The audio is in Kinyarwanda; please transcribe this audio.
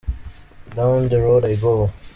Down The Road I Go.